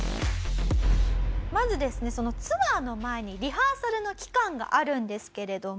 まずですねツアーの前にリハーサルの期間があるんですけれども。